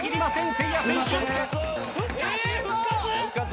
せいや選手。